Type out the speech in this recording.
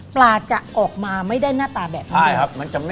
ปลาจะออกมาไม่ได้หน้าตาแบบนี้